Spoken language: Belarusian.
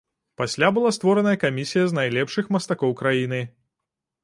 Пасля была створаная камісія з найлепшых мастакоў краіны.